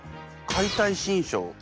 「解体新書」！